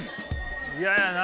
嫌やな